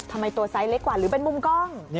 ทำไมตัวไซส์เล็กกว่าหรือเป็นมุมกล้อง